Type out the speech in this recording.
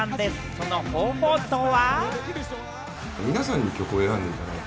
その方法とは？